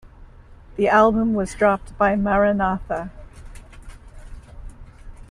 The album was dropped by Maranatha!